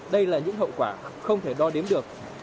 đây là những hậu quả không thể đo đếm được